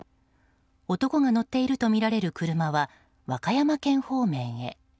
男が乗っているとみられる車は和歌山県方面へ。